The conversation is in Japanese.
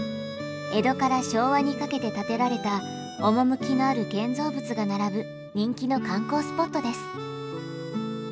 江戸から昭和にかけて建てられた趣のある建造物が並ぶ人気の観光スポットです。